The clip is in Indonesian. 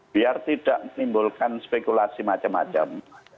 biar tidak menimbulkan spekulasi macam macam